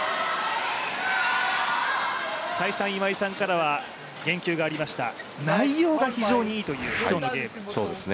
再三、今井さんからは言及がありました内容が非常にいいという今日のゲーム。